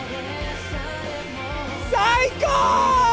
最高！